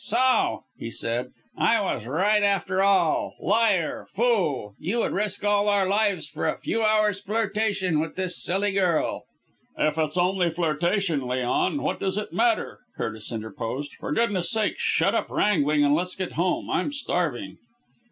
"So," he said, "I was right after all liar! fool! You would risk all our lives for a few hours' flirtation with this silly girl." "If it's only flirtation, Leon, what does it matter?" Curtis interposed. "For goodness' sake shut up wrangling and let's get home. I'm starving."